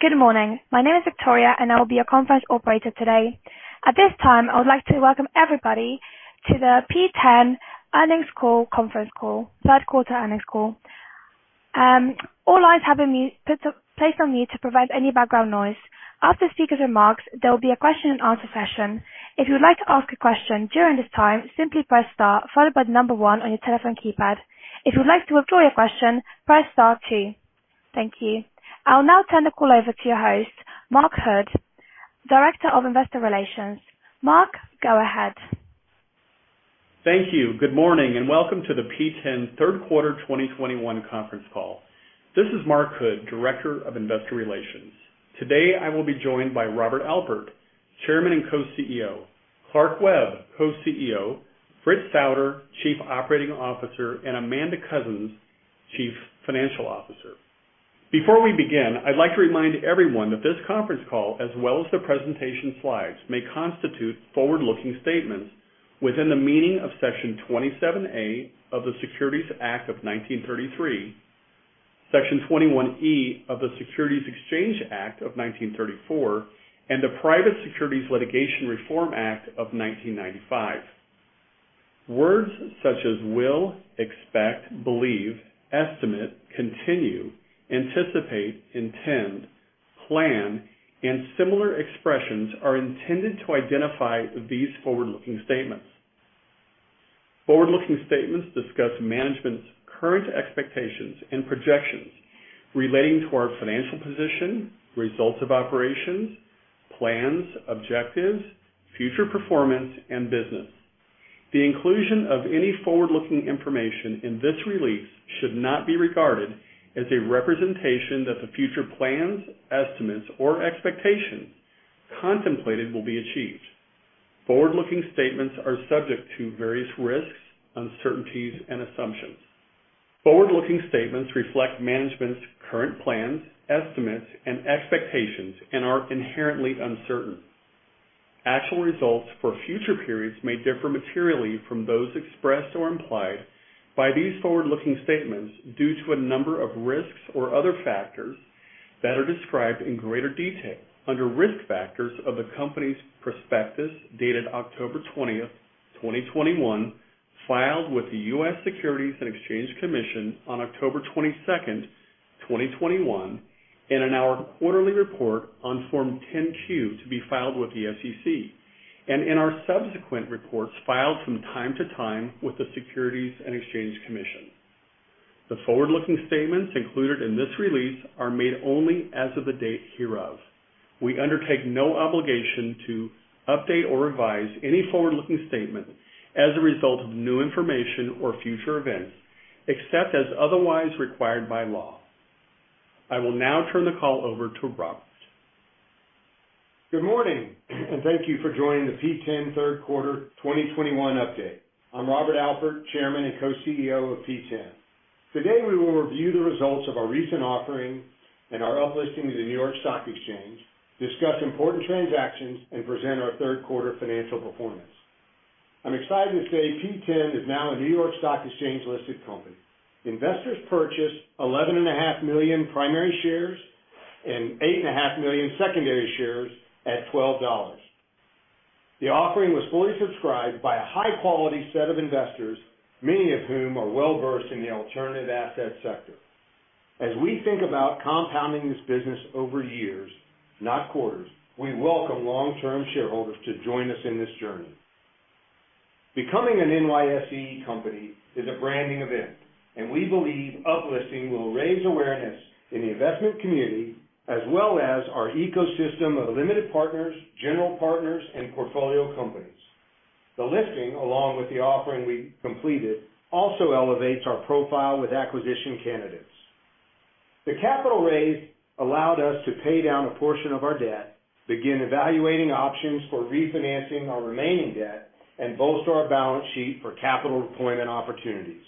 Good morning. My name is Victoria, and I will be your conference operator today. At this time, I would like to welcome everybody to the P10 Earnings Call Conference Call, Q3 earnings call. All lines have been placed on mute to prevent any background noise. After the speaker's remarks, there will be a question and answer session. If you would like to ask a question during this time, simply press star followed by the number one on your telephone keypad. If you'd like to withdraw your question, press star two. Thank you. I'll now turn the call over to your host, Mark Hood, Director of Investor Relations. Mark, go ahead. Thank you. Good morning, and welcome to the P10 Q3 2021 conference call. This is Mark Hood, Director of Investor Relations. Today, I will be joined by Robert Alpert, Chairman and Co-CEO, Clark Webb, Co-CEO, Fritz Souder, Chief Operating Officer, and Amanda Coussens, Chief Financial Officer. Before we begin, I'd like to remind everyone that this conference call, as well as the presentation slides, may constitute forward-looking statements within the meaning of section 27A of the Securities Act of 1933, section 21E of the Securities Exchange Act of 1934, and the Private Securities Litigation Reform Act of 1995. Words such as will, expect, believe, estimate, continue, anticipate, intend, plan, and similar expressions are intended to identify these forward-looking statements. Forward-looking statements discuss management's current expectations and projections relating to our financial position, results of operations, plans, objectives, future performance, and business. The inclusion of any forward-looking information in this release should not be regarded as a representation that the future plans, estimates, or expectations contemplated will be achieved. Forward-looking statements are subject to various risks, uncertainties, and assumptions. Forward-looking statements reflect management's current plans, estimates, and expectations and are inherently uncertain. Actual results for future periods may differ materially from those expressed or implied by these forward-looking statements due to a number of risks or other factors that are described in greater detail under Risk Factors of the company's prospectus, dated October 20, 2021, filed with the U.S. Securities and Exchange Commission on October 22nd, 2021, and in our quarterly report on Form 10-Q to be filed with the SEC, and in our subsequent reports filed from time to time with the Securities and Exchange Commission. The forward-looking statements included in this release are made only as of the date hereof. We undertake no obligation to update or revise any forward-looking statement as a result of new information or future events, except as otherwise required by law. I will now turn the call over to Robert. Good morning, and thank you for joining the P10 Q3 2021 update. I'm Robert Alpert, Chairman and Co-CEO of P10. Today, we will review the results of our recent offering and our uplisting to the New York Stock Exchange, discuss important transactions, and present our Q3 financial performance. I'm excited to say P10 is now a New York Stock Exchange-listed company. Investors purchased 11.5 million primary shares and 8.5 million secondary shares at $12. The offering was fully subscribed by a high-quality set of investors, many of whom are well-versed in the alternative asset sector. As we think about compounding this business over years, not quarters, we welcome long-term shareholders to join us in this journey. Becoming an NYSE company is a branding event, and we believe uplisting will raise awareness in the investment community as well as our ecosystem of limited partners, general partners, and portfolio companies. The listing, along with the offering we completed, also elevates our profile with acquisition candidates. The capital raise allowed us to pay down a portion of our debt, begin evaluating options for refinancing our remaining debt, and bolster our balance sheet for capital deployment opportunities.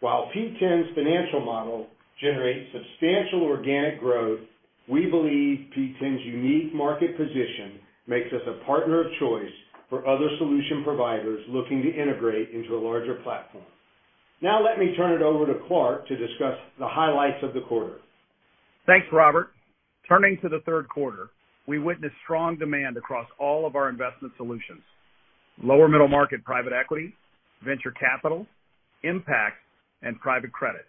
While P10's financial model generates substantial organic growth, we believe P10's unique market position makes us a partner of choice for other solution providers looking to integrate into a larger platform. Now let me turn it over to Clark to discuss the highlights of the quarter. Thanks, Robert. Turning to the Q3, we witnessed strong demand across all of our investment solutions, lower middle market private equity, venture capital, impact, and private credit.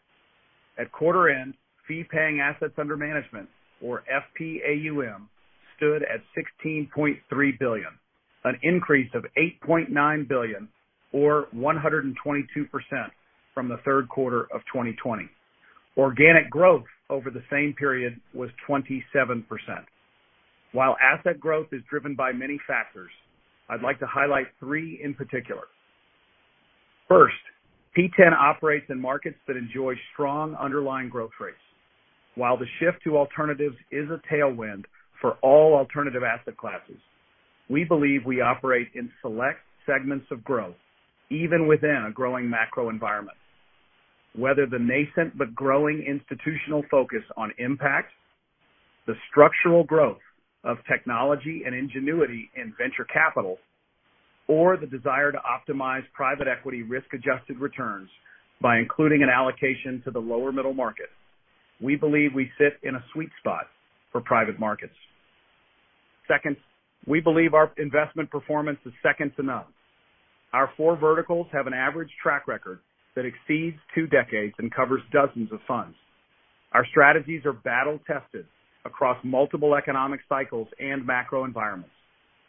At quarter end, fee paying assets under management, or FPAUM, stood at $16.3 billion, an increase of $8.9 billion or 122% from the Q3 of 2020. Organic growth over the same period was 27%. While asset growth is driven by many factors, I'd like to highlight three in particular. First, P10 operates in markets that enjoy strong underlying growth rates. While the shift to alternatives is a tailwind for all alternative asset classes, we believe we operate in select segments of growth, even within a growing macro environment. Whether the nascent but growing institutional focus on impact, the structural growth of technology and ingenuity in venture capital, or the desire to optimize private equity risk-adjusted returns by including an allocation to the lower middle market, we believe we sit in a sweet spot for private markets. Second, we believe our investment performance is second to none. Our four verticals have an average track record that exceeds two decades and covers dozens of funds. Our strategies are battle-tested across multiple economic cycles and macro environments,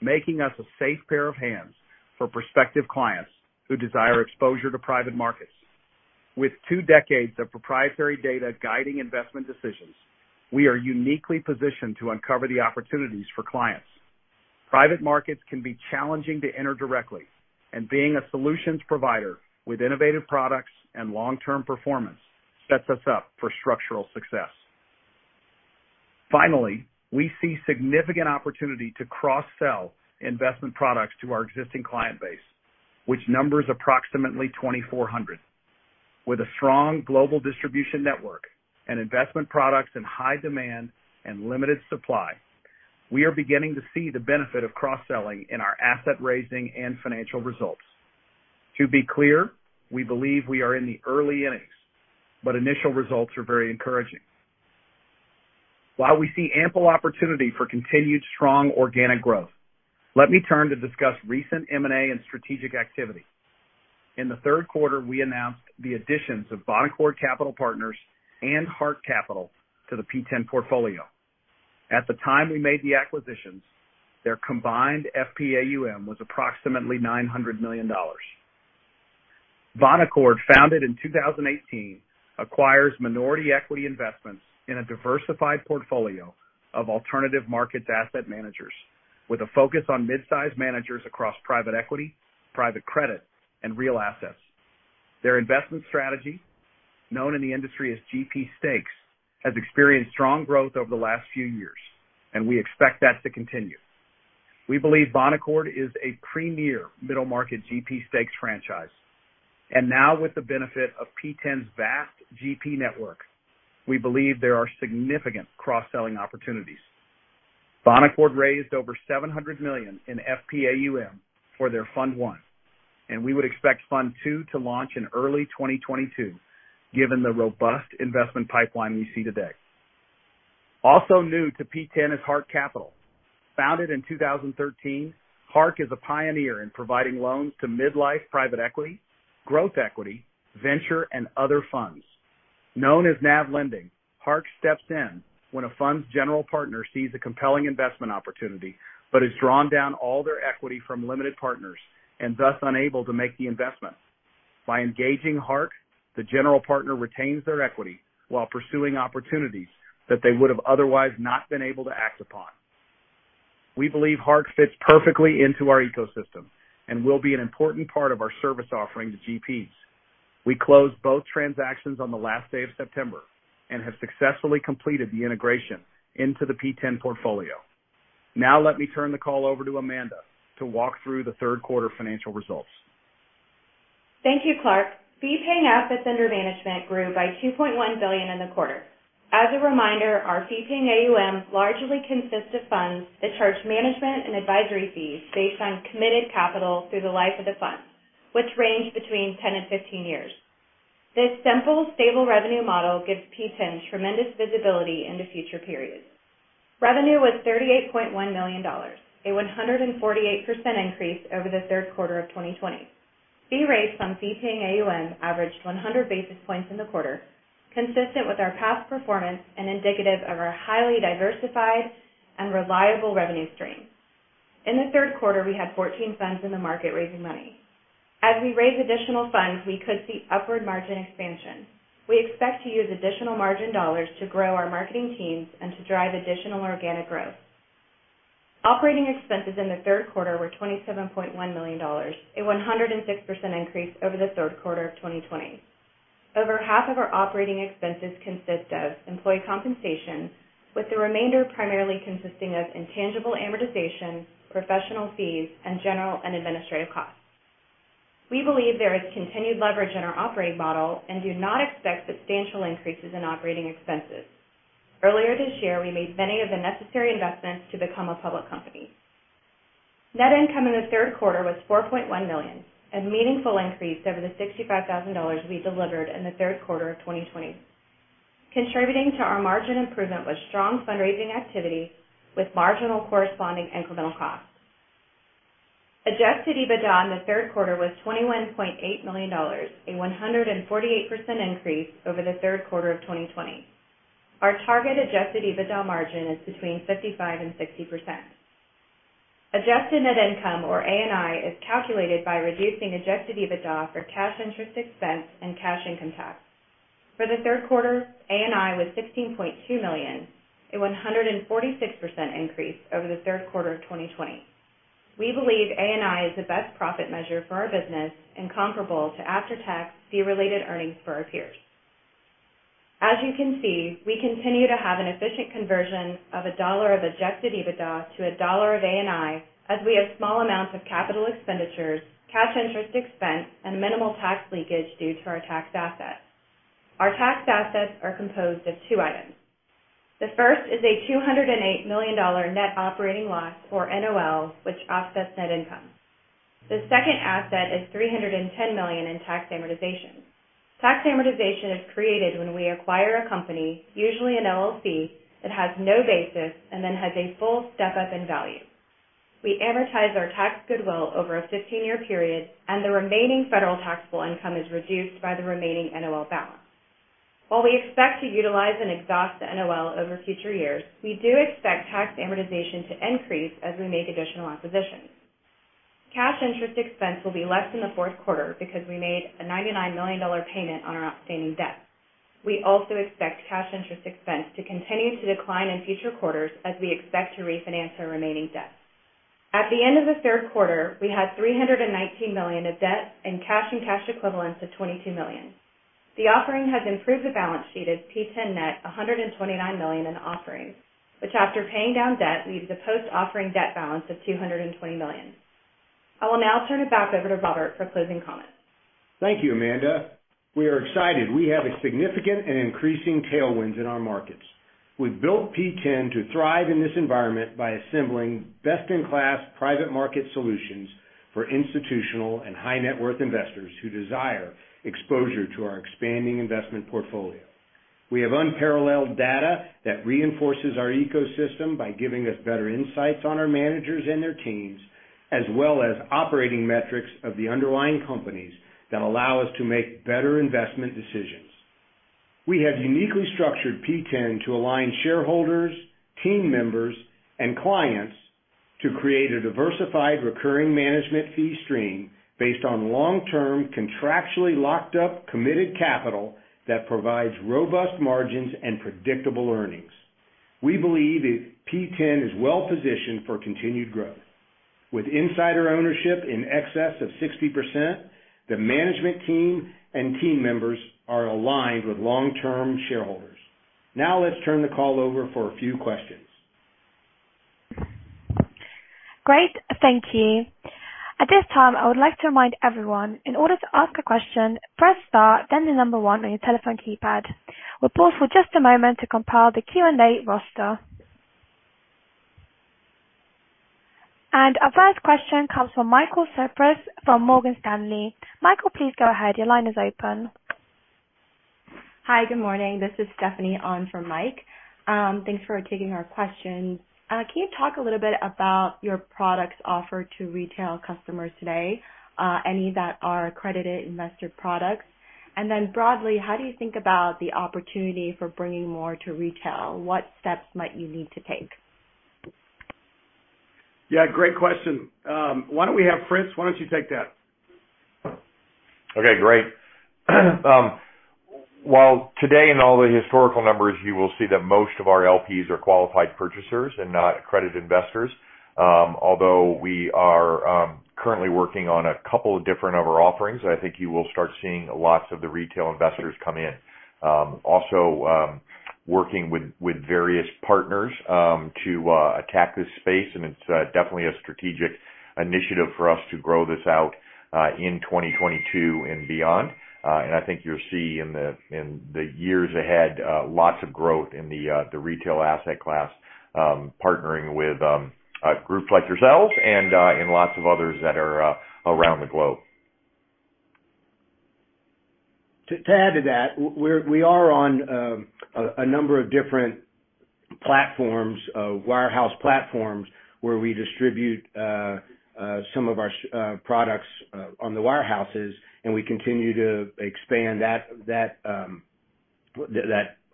making us a safe pair of hands for prospective clients who desire exposure to private markets. With two decades of proprietary data guiding investment decisions, we are uniquely positioned to uncover the opportunities for clients. Private markets can be challenging to enter directly, and being a solutions provider with innovative products and long-term performance sets us up for structural success. Finally, we see significant opportunity to cross-sell investment products to our existing client base, which numbers approximately 2,400. With a strong global distribution network and investment products in high demand and limited supply, we are beginning to see the benefit of cross-selling in our asset raising and financial results. To be clear, we believe we are in the early innings, but initial results are very encouraging. While we see ample opportunity for continued strong organic growth, let me turn to discuss recent M&A and strategic activity. In the Q3, we announced the additions of Bonaccord Capital Partners and Hark Capital to the P10 portfolio. At the time we made the acquisitions, their combined FPAUM was approximately $900 million. Bonaccord, founded in 2018, acquires minority equity investments in a diversified portfolio of alternative asset managers with a focus on midsize managers across private equity, private credit, and real assets. Their investment strategy, known in the industry as GP Stakes, has experienced strong growth over the last few years, and we expect that to continue. We believe Bonaccord is a premier middle-market GP Stakes franchise. Now, with the benefit of P10's vast GP network, we believe there are significant cross-selling opportunities. Bonaccord raised over $700 million in FPAUM for their Fund 1, and we would expect Fund 2 to launch in early 2022, given the robust investment pipeline we see today. Also new to P10 is Hark Capital. Founded in 2013, Hark is a pioneer in providing loans to middle-market private equity, growth equity, venture, and other funds. Known as NAV Lending, Hark steps in when a fund's general partner sees a compelling investment opportunity but has drawn down all their equity from limited partners and thus unable to make the investment. By engaging Hark, the general partner retains their equity while pursuing opportunities that they would have otherwise not been able to act upon. We believe Hark fits perfectly into our ecosystem and will be an important part of our service offering to GPs. We closed both transactions on the last day of September and have successfully completed the integration into the P10 portfolio. Now let me turn the call over to Amanda to walk through the Q3 financial results. Thank you, Clark. Fee paying assets under management grew by $2.1 billion in the quarter. As a reminder, our fee paying AUM largely consists of funds that charge management and advisory fees based on committed capital through the life of the funds, which range between 10-15 years. This simple, stable revenue model gives P10 tremendous visibility into future periods. Revenue was $38.1 million, a 148% increase over the Q3 of 2020. Fee rates on fee paying AUM averaged 100 basis points in the quarter, consistent with our past performance and indicative of our highly diversified and reliable revenue stream. In the Q3, we had 14 funds in the market raising money. As we raise additional funds, we could see upward margin expansion. We expect to use additional margin dollars to grow our marketing teams and to drive additional organic growth. Operating expenses in the Q3 were $27.1 million, a 106% increase over the Q3 of 2020. Over half of our operating expenses consist of employee compensation, with the remainder primarily consisting of intangible amortization, professional fees, and general and administrative costs. We believe there is continued leverage in our operating model and do not expect substantial increases in operating expenses. Earlier this year, we made many of the necessary investments to become a public company. Net income in the Q3 was $4.1 million, a meaningful increase over the $65,000 we delivered in the Q3 of 2020. Contributing to our margin improvement was strong fundraising activity with marginal corresponding incremental costs. Adjusted EBITDA in the Q3 was $21.8 million, a 148% increase over the Q3 of 2020. Our target adjusted EBITDA margin is between 55% and 60%. Adjusted net income or ANI is calculated by reducing adjusted EBITDA for cash interest expense and cash income tax. For the Q3, ANI was $16.2 million, a 146% increase over the Q3 of 2020. We believe ANI is the best profit measure for our business and comparable to after-tax fee-related earnings for our peers. As you can see, we continue to have an efficient conversion of a dollar of adjusted EBITDA to a dollar of ANI, as we have small amounts of capital expenditures, cash interest expense, and minimal tax leakage due to our taxed assets. Our tax assets are composed of two items. The first is a $208 million net operating loss or NOL, which offsets net income. The second asset is $310 million in tax amortization. Tax amortization is created when we acquire a company, usually an LLC that has no basis and then has a full step-up in value. We amortize our tax goodwill over a 15-year period, and the remaining federal taxable income is reduced by the remaining NOL balance. While we expect to utilize and exhaust the NOL over future years, we do expect tax amortization to increase as we make additional acquisitions. Cash interest expense will be less in the Q4 because we made a $99 million payment on our outstanding debt. We also expect cash interest expense to continue to decline in future quarters as we expect to refinance our remaining debt. At the end of the Q3, we had $319 million of debt and cash and cash equivalents of $22 million. The offering has improved the balance sheet as P10 netted $129 million in offerings, which after paying down debt, leaves a post-offering debt balance of $220 million. I will now turn it back over to Robert for closing comments. Thank you, Amanda. We are excited. We have a significant and increasing tailwinds in our markets. We've built P10 to thrive in this environment by assembling best-in-class private market solutions for institutional and high net worth investors who desire exposure to our expanding investment portfolio. We have unparalleled data that reinforces our ecosystem by giving us better insights on our managers and their teams, as well as operating metrics of the underlying companies that allow us to make better investment decisions. We have uniquely structured P10 to align shareholders, team members, and clients to create a diversified recurring management fee stream based on long-term, contractually locked up, committed capital that provides robust margins and predictable earnings. We believe that P10 is well-positioned for continued growth. With insider ownership in excess of 60%, the management team and team members are aligned with long-term shareholders. Now let's turn the call over for a few questions. Great. Thank you. At this time, I would like to remind everyone, in order to ask a question, press star then the number one on your telephone keypad. We'll pause for just a moment to compile the Q&A roster. Our first question comes from Michael Cyprys from Morgan Stanley. Michael, please go ahead. Your line is open. Hi. Good morning. This is Stephanie on from Mike. Thanks for taking our questions. Can you talk a little bit about your products offered to retail customers today, any that are accredited investor products? Broadly, how do you think about the opportunity for bringing more to retail? What steps might you need to take? Yeah, great question. Why don't we have Fritz? Why don't you take that? Okay, great. Well, today in all the historical numbers, you will see that most of our LPs are qualified purchasers and not accredited investors. Although we are currently working on a couple of different of our offerings, I think you will start seeing lots of the retail investors come in. Also, working with various partners to attack this space, and it's definitely a strategic initiative for us to grow this out in 2022 and beyond. I think you'll see in the years ahead lots of growth in the retail asset class, partnering with groups like yourselves and lots of others that are around the globe. To add to that, we are on a number of different platforms, wirehouse platforms, where we distribute some of our products on the wirehouses, and we continue to expand that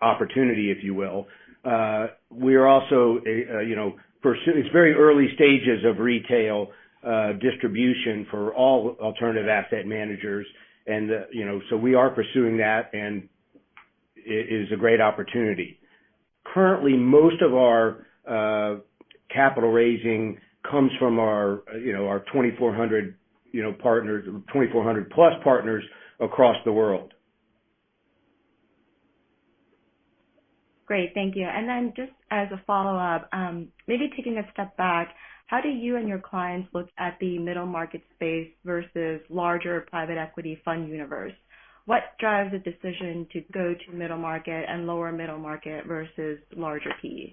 opportunity, if you will. We are also, you know, pursuing that. It's very early stages of retail distribution for all alternative asset managers, you know, so we are pursuing that, and it is a great opportunity. Currently, most of our capital raising comes from our, you know, our 2,400, you know, partners, 2,400 plus partners across the world. Great. Thank you. Just as a follow-up, maybe taking a step back, how do you and your clients look at the middle market space versus larger private equity fund universe? What drives the decision to go to middle market and lower middle market versus larger PE?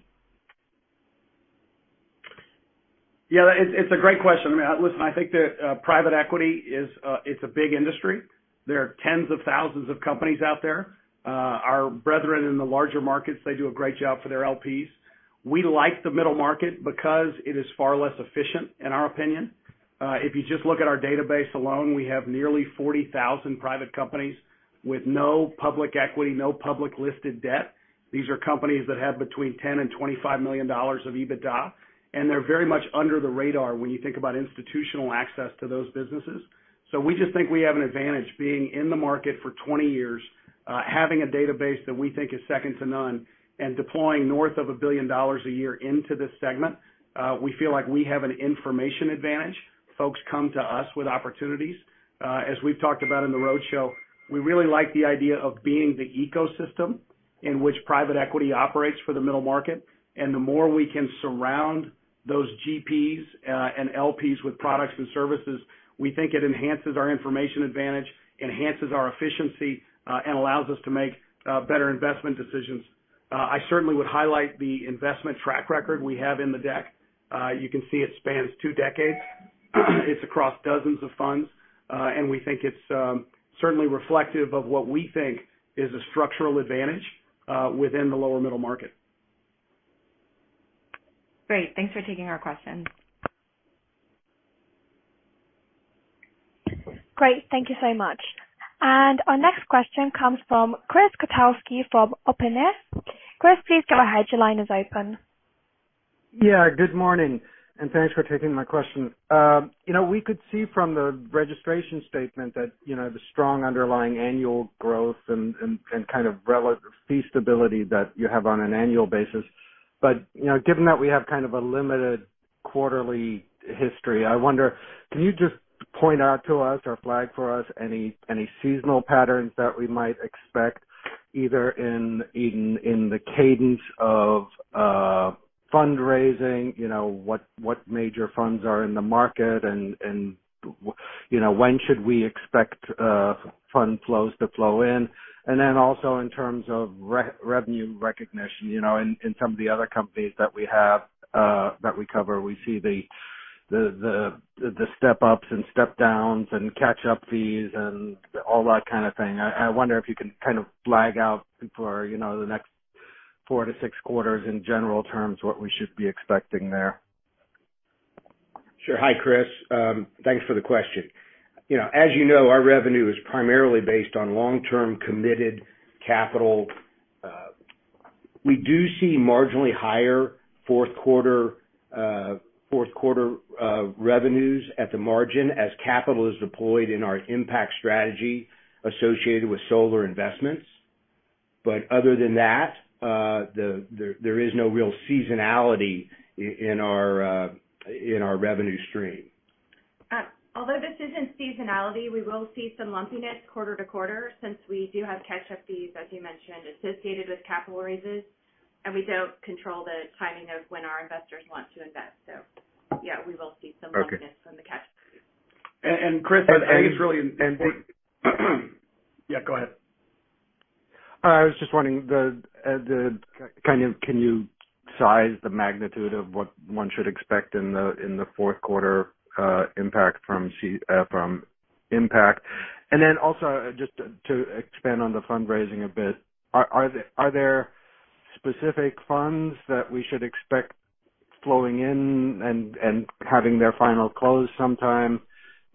Yeah, it's a great question. I mean, listen, I think that private equity is a big industry. There are tens of thousands of companies out there. Our brethren in the larger markets, they do a great job for their LPs. We like the middle market because it is far less efficient in our opinion. If you just look at our database alone, we have nearly 40,000 private companies with no public equity, no public listed debt. These are companies that have between $10 million and $25 million of EBITDA, and they're very much under the radar when you think about institutional access to those businesses. We just think we have an advantage being in the market for 20 years, having a database that we think is second to none and deploying north of $1 billion a year into this segment. We feel like we have an information advantage. Folks come to us with opportunities. As we've talked about in the roadshow, we really like the idea of being the ecosystem in which private equity operates for the middle market. The more we can surround those GPs and LPs with products and services, we think it enhances our information advantage, enhances our efficiency and allows us to make better investment decisions. I certainly would highlight the investment track record we have in the deck. You can see it spans two decades. It's across dozens of funds. We think it's certainly reflective of what we think is a structural advantage within the lower middle market. Great. Thanks for taking our question. Great. Thank you so much. Our next question comes from Chris Kotowski from Oppenheimer. Chris, please go ahead. Your line is open. Yeah, good morning, and thanks for taking my question. You know, we could see from the registration statement that, you know, the strong underlying annual growth and kind of related fee stability that you have on an annual basis. You know, given that we have kind of a limited quarterly history, I wonder, can you just point out to us or flag for us any seasonal patterns that we might expect, either in the cadence of fundraising, you know, what major funds are in the market and you know, when should we expect fund flows to flow in? In terms of revenue recognition, you know, in some of the other companies that we have that we cover, we see the step-ups and step-downs and catch-up fees and all that kind of thing. I wonder if you can kind of flag out for, you know, the next four to six quarters in general terms what we should be expecting there. Sure. Hi, Chris, thanks for the question. You know, as you know, our revenue is primarily based on long-term committed capital. We do see marginally higher Q4 revenues at the margin as capital is deployed in our impact strategy associated with solar investments. Other than that, there is no real seasonality in our revenue stream. Although this isn't seasonality, we will see some lumpiness quarter to quarter since we do have catch-up fees, as you mentioned, associated with capital raises, and we don't control the timing of when our investors want to invest. Yeah, we will see some. Okay. Lumpiness from the catch-up. Chris, I think it's really important. And, and- Yeah, go ahead. I was just wondering, the kind of can you size the magnitude of what one should expect in the Q4 impact from Impact. Also just to expand on the fundraising a bit, are there specific funds that we should expect flowing in and having their final close sometime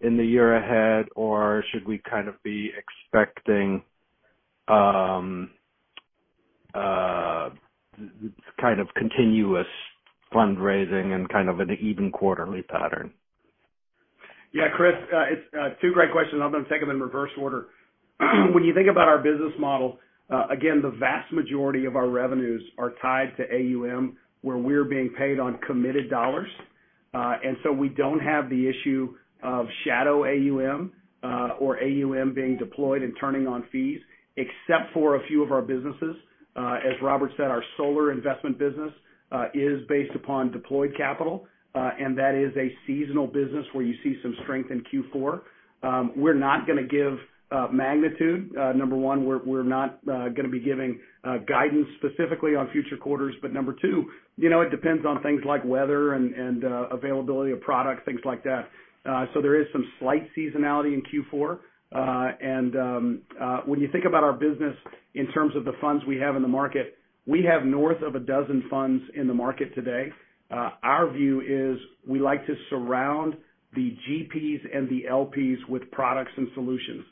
in the year ahead? Or should we kind of be expecting kind of continuous fundraising and kind of an even quarterly pattern? Yeah, Chris, it's two great questions. I'm gonna take them in reverse order. When you think about our business model, again, the vast majority of our revenues are tied to AUM, where we're being paid on committed dollars. We don't have the issue of shadow AUM, or AUM being deployed and turning on fees, except for a few of our businesses. As Robert said, our solar investment business is based upon deployed capital, and that is a seasonal business where you see some strength in Q4. We're not gonna give magnitude. Number one, we're not gonna be giving guidance specifically on future quarters. Number two, you know, it depends on things like weather and availability of products, things like that. There is some slight seasonality in Q4. When you think about our business in terms of the funds we have in the market, we have north of a dozen funds in the market today. Our view is we like to surround the GPs and the LPs with products and solutions.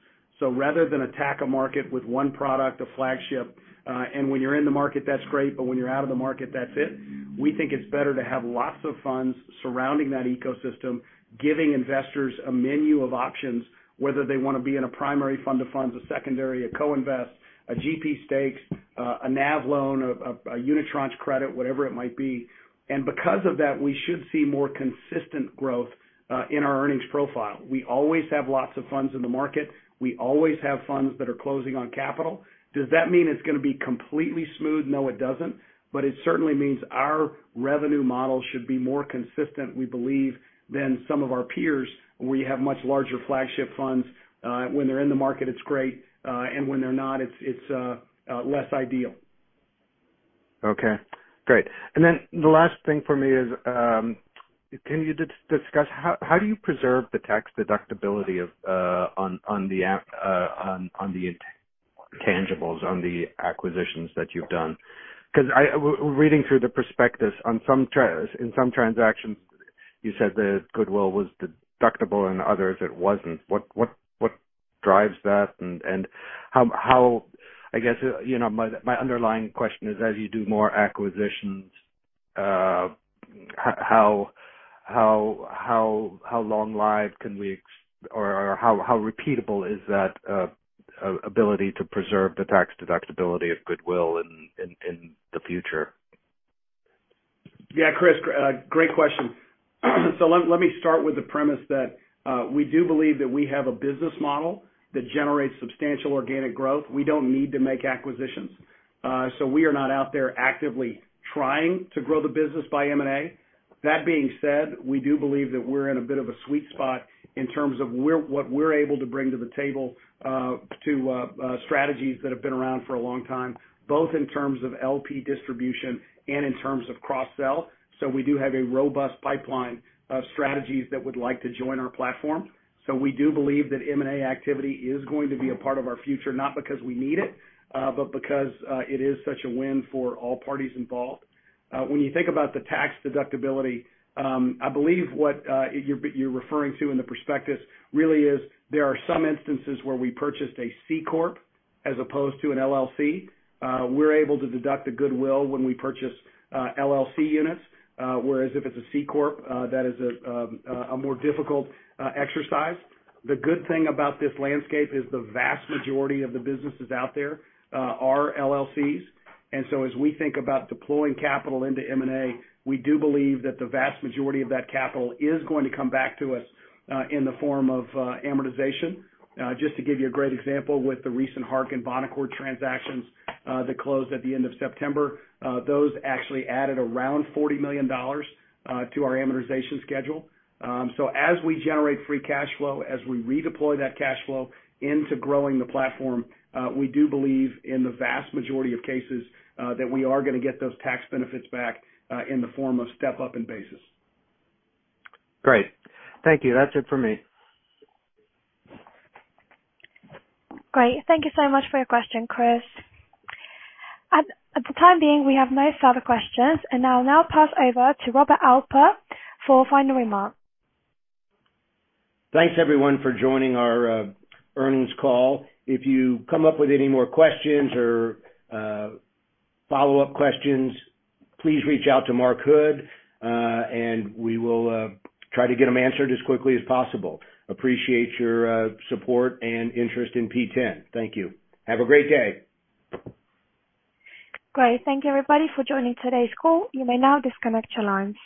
Rather than attack a market with one product, a flagship, and when you're in the market, that's great, but when you're out of the market, that's it. We think it's better to have lots of funds surrounding that ecosystem, giving investors a menu of options, whether they wanna be in a primary fund of funds, a secondary, a co-invest, a GP stakes, a NAV loan, a unitranche credit, whatever it might be. Because of that, we should see more consistent growth in our earnings profile. We always have lots of funds in the market. We always have funds that are closing on capital. Does that mean it's gonna be completely smooth? No, it doesn't. It certainly means our revenue model should be more consistent, we believe, than some of our peers, where you have much larger flagship funds. When they're in the market, it's great, and when they're not, it's less ideal. Okay, great. The last thing for me is, can you discuss how do you preserve the tax deductibility of the intangibles on the acquisitions that you've done? Because reading through the prospectus in some transactions, you said the goodwill was deductible and others it wasn't. What drives that? How repeatable is that ability to preserve the tax deductibility of goodwill in the future? Yeah, Chris, great question. Let me start with the premise that we do believe that we have a business model that generates substantial organic growth. We don't need to make acquisitions. We are not out there actively trying to grow the business by M&A. That being said, we do believe that we're in a bit of a sweet spot in terms of what we're able to bring to the table to strategies that have been around for a long time, both in terms of LP distribution and in terms of cross sell. We do have a robust pipeline of strategies that would like to join our platform. We do believe that M&A activity is going to be a part of our future, not because we need it, but because it is such a win for all parties involved. When you think about the tax deductibility, I believe what you're referring to in the prospectus really is there are some instances where we purchased a C corp as opposed to an LLC. We're able to deduct the goodwill when we purchase LLC units. Whereas if it's a C corp, that is a more difficult exercise. The good thing about this landscape is the vast majority of the businesses out there are LLCs. As we think about deploying capital into M&A, we do believe that the vast majority of that capital is going to come back to us in the form of amortization. Just to give you a great example with the recent Hark and Bonaccord transactions that closed at the end of September, those actually added around $40 million to our amortization schedule. As we generate free cash flow, as we redeploy that cash flow into growing the platform, we do believe in the vast majority of cases that we are gonna get those tax benefits back in the form of step up in basis. Great. Thank you. That's it for me. Great. Thank you so much for your question, Chris. At the time being, we have no further questions, and I'll now pass over to Robert Alpert for final remarks. Thanks everyone for joining our earnings call. If you come up with any more questions or follow-up questions, please reach out to Mark Hood and we will try to get them answered as quickly as possible. Appreciate your support and interest in P10. Thank you. Have a great day. Great. Thank you everybody for joining today's call. You may now disconnect your lines.